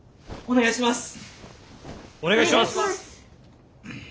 お願いします！